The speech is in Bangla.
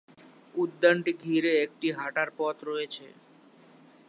উদ্যানটি ঘিরে একটি হাঁটার পথ রয়েছে।